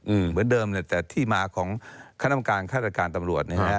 เหมือนเดิมแต่ที่มาของคณะกรรมการคัตรการตำรวจ